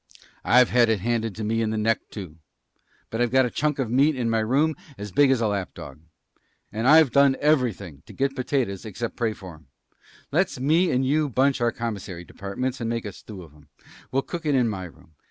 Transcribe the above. I've had it handed to me in the neck, too; but I've got a chunk of meat in my, room as big as a lap dog. And I've done everything to get potatoes except pray for 'em. Let's me and you bunch our commissary departments and make a stew of 'em. We'll cook it in my room.